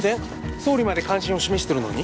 総理まで関心を示してるのに？